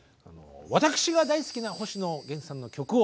私が大好きな星野源さんの曲を。